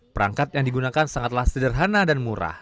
perangkat yang digunakan sangatlah sederhana dan murah